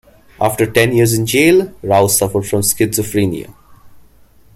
After ten years in jail, Rao suffered from schizophrenia.